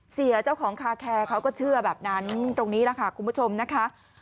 เสียเจ้าของคาแคร์เขาก็เชื่อแบบนั้นตรงนี้แหละค่ะคุณผู้ชมนะคะ